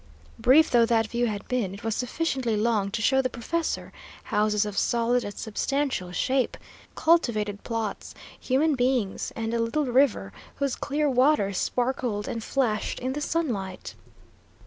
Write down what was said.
Brief though that view had been, it was sufficiently long to show the professor houses of solid and substantial shape, cultivated plots, human beings, and a little river whose clear waters sparkled and flashed in the sunlight.